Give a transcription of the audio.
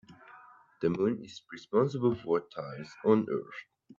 The moon is responsible for tides on earth.